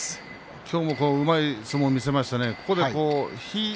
今日もうまい相撲を見せましたね。